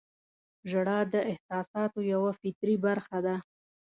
• ژړا د احساساتو یوه فطري برخه ده.